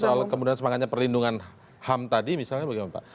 soal kemudian semangatnya perlindungan ham tadi misalnya bagaimana pak